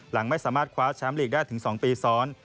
หลังไม่สามารถคว้าแชมป์ลีกได้ถึง๒ปีซ้อน